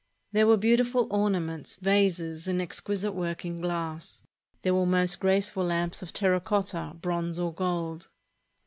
There were beautiful ornaments, vases, and exquisite work in glass. There were most graceful lamps of terra cotta, bronze, or gold.